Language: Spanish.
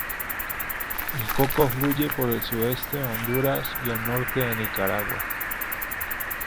El Coco fluye por el sudeste de Honduras y el norte de Nicaragua.